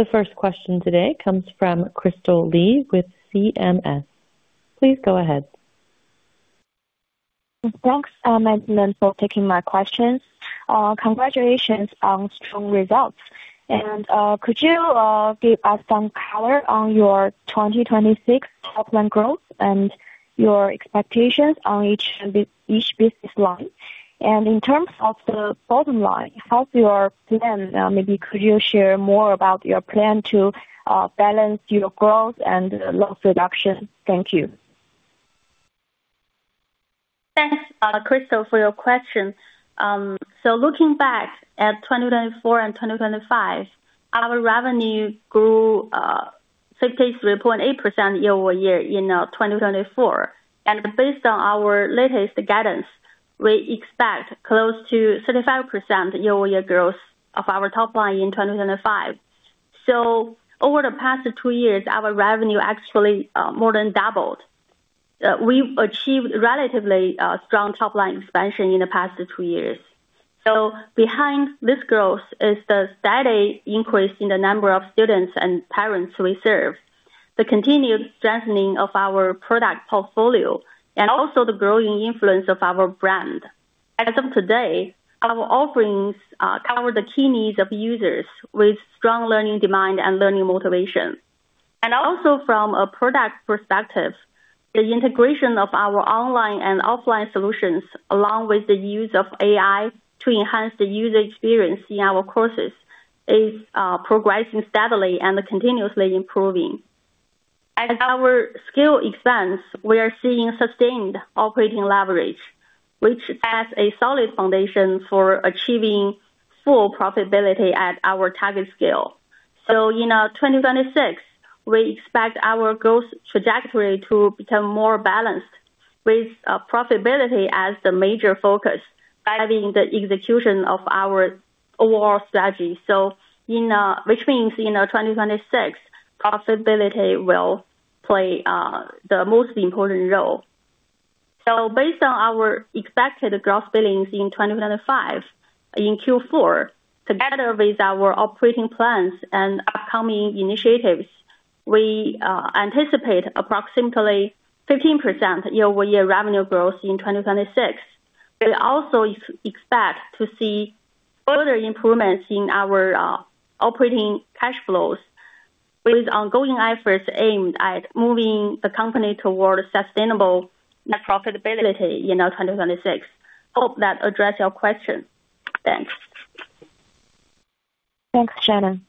The first question today comes from Crystal Li with CMS (China Merchants Securities). Please go ahead. Thanks, for taking my questions. Congratulations on strong results. Could you give us some color on your 2026 upline growth and your expectations on each business line? In terms of the bottom line, how's your plan? Maybe could you share more about your plan to balance your growth and loss reduction? Thank you. Thanks, Crystal, for your question. Looking back at 2024 and 2025, our revenue grew 53.8% year-over-year in 2024. Based on our latest guidance, we expect close to 35% year-over-year growth of our top line in 2025. Over the past two years, our revenue actually more than doubled. We achieved relatively strong top line expansion in the past two years. Behind this growth is the steady increase in the number of students and parents we serve, the continued strengthening of our product portfolio, and also the growing influence of our brand. As of today, our offerings cover the key needs of users with strong learning demand and learning motivation. Also from a product perspective, the integration of our online and offline solutions, along with the use of AI to enhance the user experience in our courses, is progressing steadily and continuously improving. As our scale expands, we are seeing sustained operating leverage, which adds a solid foundation for achieving full profitability at our target scale. In 2026, we expect our growth trajectory to become more balanced, with profitability as the major focus guiding the execution of our overall strategy, which means in 2026, profitability will play the most important role. Based on our expected gross billings in 2025 in Q4, together with our operating plans and upcoming initiatives, we anticipate approximately 15% year-over-year revenue growth in 2026. We also expect to see further improvements in our operating cash flows with ongoing efforts aimed at moving the company towards sustainable net profitability in 2026. Hope that addressed your question. Thanks. Thanks, Shannon.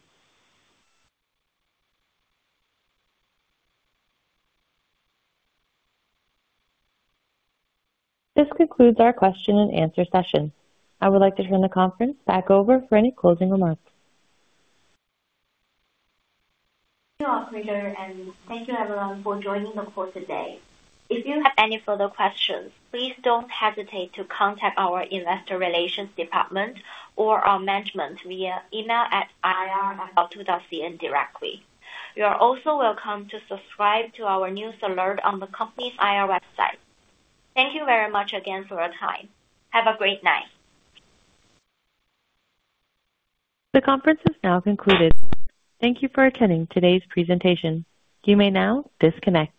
This concludes our question-and-answer session. I would like to turn the conference back over for any closing remarks. Thank you, Operator, and thank you, everyone, for joining the call today. If you have any further questions, please don't hesitate to contact our Investor Relations Department or our management via email at ir@gaotu.cn directly. You are also welcome to subscribe to our news alert on the company's IR website. Thank you very much again for your time. Have a great night. The conference has now concluded. Thank you for attending today's presentation. You may now disconnect.